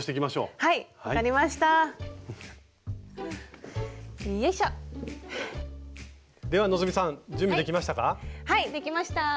はいできました。